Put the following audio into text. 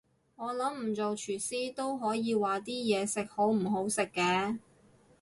我諗唔做廚師都可以話啲嘢食好唔好食嘅